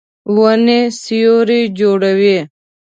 ونې سیوری جوړوي.